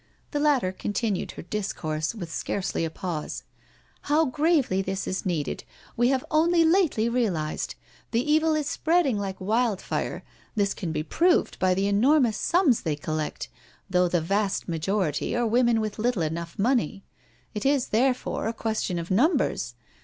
The latter con tinued her discourse with scarcely a pause: " How gravely this is needed we have only lately realised. The evil is spreading like wildfire — this can be proved by the enormous sums they collect, though the vast majority are women with little enough money. It is, therefore, a question of numbers.